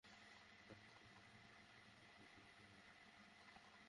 সকাল আটটায় ধানমন্ডির সরকারি বালক বিদ্যালয়ের সামনে আনুষ্ঠানিকভাবে জরিপ কার্যক্রম শুরু হয়।